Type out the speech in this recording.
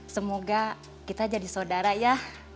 semoga kita jadi saudara ya